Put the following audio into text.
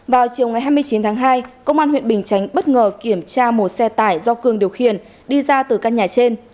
vào chiều ngày hai mươi chín tháng hai công an huyện bình chánh bất ngờ kiểm tra một xe tải do cường điều khiển đi ra từ căn nhà trên